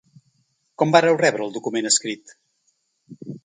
Com vàreu rebre el document escrit?